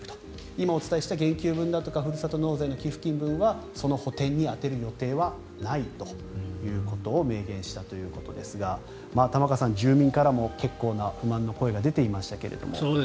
今お伝えした減給分やふるさと納税の寄付金をその補てんに充てる予定はないということを明言したということですが玉川さん、住民からも結構な不満の声が出ていましたが。